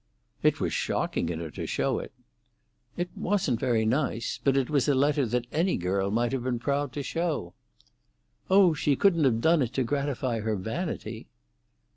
"It was shocking in her to show it." "It wasn't very nice. But it was a letter that any girl might have been proud to show." "Oh, she couldn't have done it to gratify her vanity!"